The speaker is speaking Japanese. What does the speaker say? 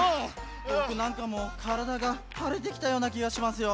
ぼくなんかもうからだがはれてきたようなきがしますよ。